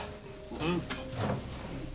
うん？